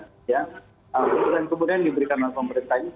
kemudian yang diberikan oleh pemerintah ini